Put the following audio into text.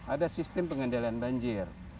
ada sistem pengendalian banjir